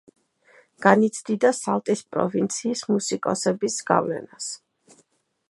განიცდიდა სალტის პროვინციის მუსიკოსების გავლენას.